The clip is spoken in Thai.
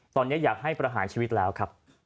ตอนนี้อยากให้ประหารชีวิตแล้วครับ